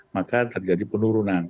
maka terjadi penurunan